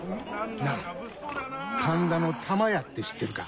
なあ神田の玉屋って知ってるか？